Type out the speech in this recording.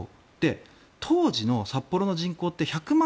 当時の札幌の人口って１００万